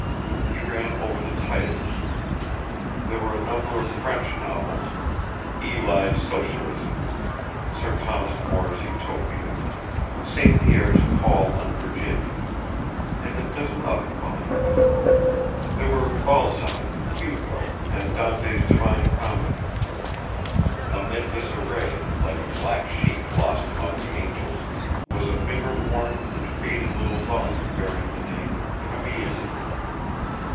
He ran over the titles. There were a number of French novels, Ely's Socialism, Sir Thomas More's Utopia, St. Pierre's Paul and Virginia, and a dozen other volumes; there were Balzac and Hugo, and Dante's Divine Comedy. Amid this array, like a black sheep lost among the angels, was a finger worn and faded little volume bearing the name Camille.